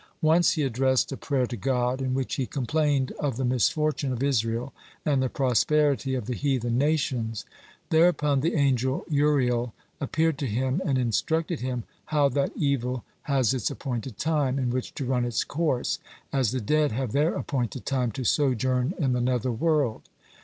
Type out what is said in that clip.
Once he addressed a prayer to God, in which he complained of the misfortune of Israel and the prosperity of the heathen nations. Thereupon the angel Uriel appeared to him, and instructed him how that evil has its appointed time in which to run its course, as the dead have their appointed time to sojourn in the nether world.